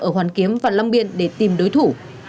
ở hoàn kiếm và long biên để tìm đối thủ